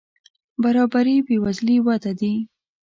برابري بې وزلي وده دي.